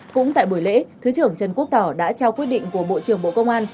cũng tại buổi lễ thứ trưởng trần quốc tỏ đã trao quyết định của bộ trưởng bộ công an